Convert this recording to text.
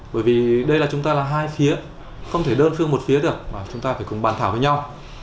bởi vì đây là chúng ta là hai phía không thể đơn phương một phía được mà chúng ta phải cùng bàn thảo với nhau